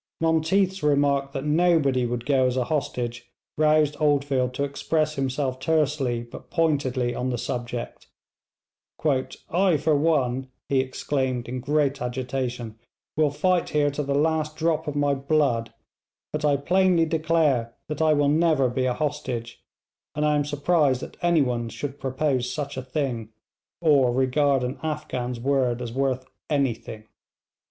Monteath's remark that nobody would go as a hostage roused Oldfield to express himself tersely but pointedly on the subject. 'I for one,' he exclaimed in great agitation, 'will fight here to the last drop of my blood, but I plainly declare that I will never be a hostage, and I am surprised that anyone should propose such a thing, or regard an Afghan's word as worth anything.'